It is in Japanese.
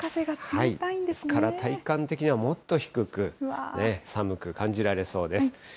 だから体感的にはもっと低く、寒く感じられそうです。